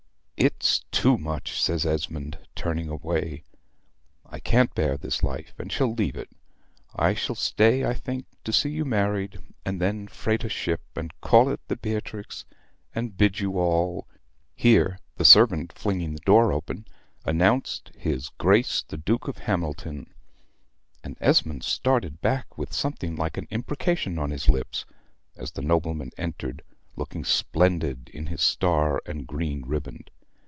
"It's too much," says Esmond, turning away. "I can't bear this life, and shall leave it. I shall stay, I think, to see you married, and then freight a ship, and call it the 'Beatrix,' and bid you all ..." Here the servant, flinging the door open, announced his Grace the Duke of Hamilton, and Esmond started back with something like an imprecation on his lips, as the nobleman entered, looking splendid in his star and green ribbon.